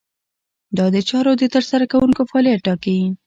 دا د چارو د ترسره کوونکو فعالیت ټاکي.